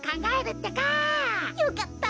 よかった！